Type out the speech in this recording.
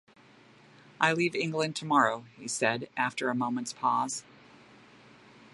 ‘“I leave England tomorrow,” he said, after a moment’s pause.